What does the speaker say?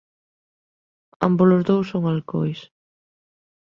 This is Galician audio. Ambos os dous son alcohois.